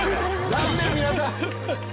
残念皆さん！